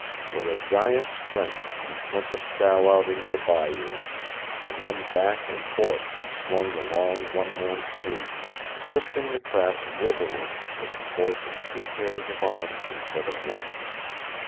With a giant's strength he sent the scow out into the bayou, and then back and forth he swung the long one man sweep, twisting the craft riverward with the force of two pairs of arms instead of one.